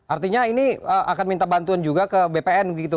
artinya ini akan minta bantuan juga ke bpn begitu